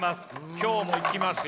今日もいきますよ。